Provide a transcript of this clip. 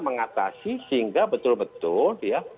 mengatasi sehingga betul betul